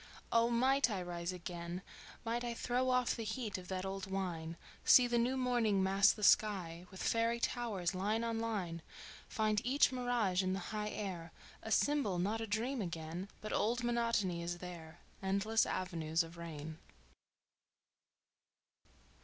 Oh, might I rise again! Might I Throw off the heat of that old wine, See the new morning mass the sky With fairy towers, line on line; Find each mirage in the high air A symbol, not a dream again... But old monotony is there: Endless avenues of rain."